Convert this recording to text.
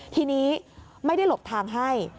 ทีนี้ไม่ได้หลบทางให้